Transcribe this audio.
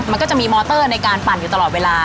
มันก็จะมีมอเตอร์ในการปั่นอยู่ตลอดเวลา